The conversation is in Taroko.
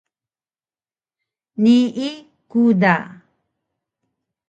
Nii ku da